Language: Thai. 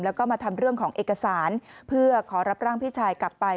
แล้วก็มาทำเรื่องของเอกสารเพื่อขอรับร่างพี่ชายกลับไป